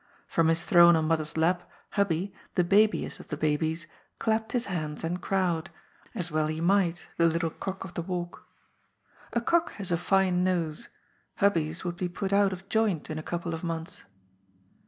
From his tiiirone on mother's lap Hubbie, the babiest of the babies, clapped his hands and crowed — ^as well he might, the little cock of the walk. BLIND JUSTICE. 851 A cock has a fine nose. Hubbie's would be put out of joint in a couple of months.